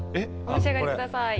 お召し上がりください。